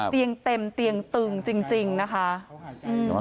เตียงเต็มเตียงตึงจริงนะคะ